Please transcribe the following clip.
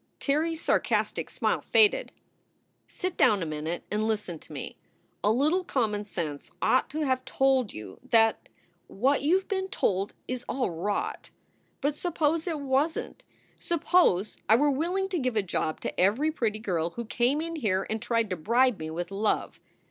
Tirrey s sarcastic smile faded: "Sit down a minute and listen to me. A little common sense ought to have told you that what you ve been told is all rot. But suppose it wasn t. Suppose I were willing to give a job to every pretty girl who came in here and tried to bribe me with love.